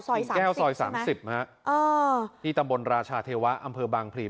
กิ่งแก้วซอย๓๐ใช่ไหมที่ตำบลราชาเทวะอำเภอบางพลี